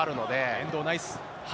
遠藤、ナイス。